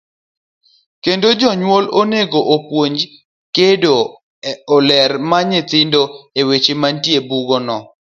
Kendo jonyuol onego opuonj kendo oler ne nyithindo weche mantie e buge go.